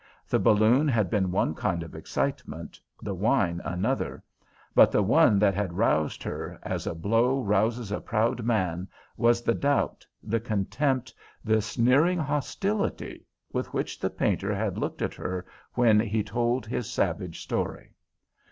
The balloon had been one kind of excitement, the wine another; but the thing that had roused her, as a blow rouses a proud man, was the doubt, the contempt, the sneering hostility with which the painter had looked at her when he told his savage story.